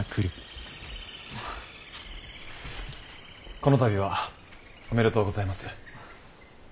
この度はおめでとうございます。